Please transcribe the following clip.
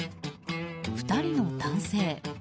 ２人の男性。